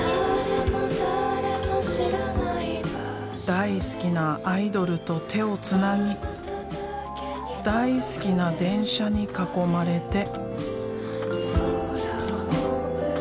大好きなアイドルと手をつなぎ大好きな電車に囲まれて。